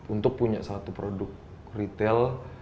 untuk punya satu produk retail